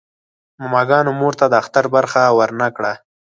ماماګانو مور ته د اختر برخه ورنه کړه.